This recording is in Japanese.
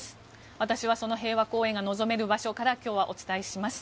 私はその平和公園が望める場所から今日はお伝えします。